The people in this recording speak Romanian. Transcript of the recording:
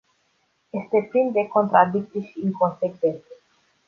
Este plin de contradicții și inconsecvențe.